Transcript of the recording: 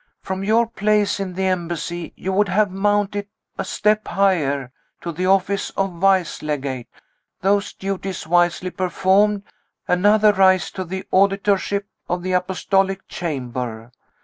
From your place in the Embassy you would have mounted a step higher to the office of Vice Legate. Those duties wisely performed, another rise to the Auditorship of the Apostolic Chamber.